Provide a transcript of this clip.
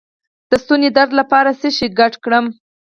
د ستوني درد لپاره څه شی ګډ کړم؟